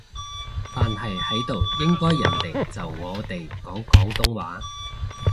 但係喺度應該人哋就我哋講廣東話